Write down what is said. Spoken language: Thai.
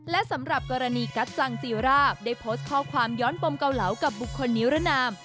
และสำหรับกรณีกัจจังจีร่าได้โพสต์ข้อความย้อนปมเกาเหลากับบุคคลนิรนาม